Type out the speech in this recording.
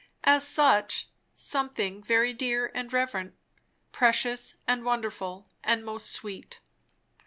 As such, something very dear and reverent, precious and wonderful, and most sweet.